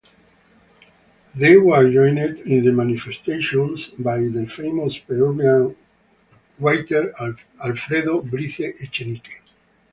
They were joined in the manifestations by the famous Peruvian writer Mario Vargas Llosa.